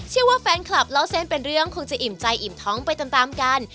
ว่าแฟนคลับเล่าเส้นเป็นเรื่องคงจะอิ่มใจอิ่มท้องไปตามกัน